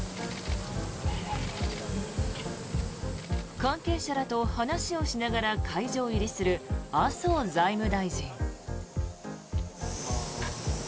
関係者らと話をしながら会場入りする麻生財務大臣。